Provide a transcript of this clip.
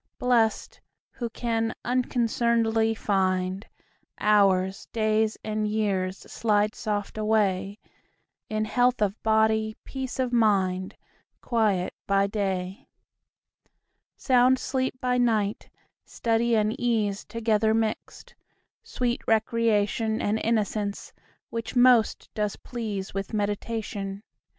Blest, who can unconcern'dly find Hours, days, and years slide soft away In health of body, peace of mind, Quiet by day, Sound sleep by night; study and ease Together mixt, sweet recreation, And innocence, which most does please With meditation.